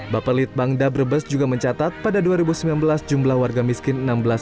baperlitbang dabrebas juga mencatat pada dua ribu sembilan belas jumlah warga miskin